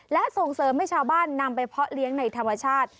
และส่งเสริมให้ชาวบ้านนำไปเพาะเลี้ยงในธรรมชาติ